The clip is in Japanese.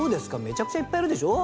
めちゃくちゃいっぱいいるでしょ。